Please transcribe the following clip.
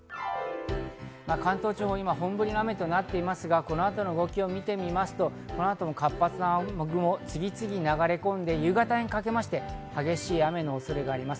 関東地方、今、本降りの雨となっていますが、この後の動きを見てみますと、活発な雨雲がどんどん流れ込んで、夕方にかけて激しい雨の恐れがあります。